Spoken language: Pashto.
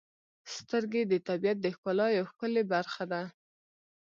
• سترګې د طبیعت د ښکلا یو ښکلی برخه ده.